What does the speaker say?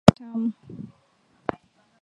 Mahamri ya Shumi ni matamu.